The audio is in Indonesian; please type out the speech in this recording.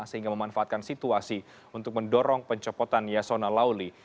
sehingga memanfaatkan situasi untuk mendorong pencopotan yasona lawli